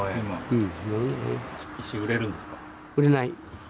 うん。